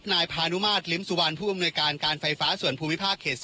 นายพานุมาตรลิ้มสุวรรณผู้อำนวยการการไฟฟ้าส่วนภูมิภาคเขต๒